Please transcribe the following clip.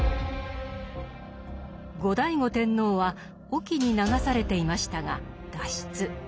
後醍醐天皇は隠岐に流されていましたが脱出。